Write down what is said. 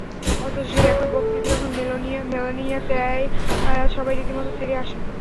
অথচ সেই একই বক্তৃতা যখন মেলানিয়া দেয়, সবাই রীতিমতো তেড়ে আসে।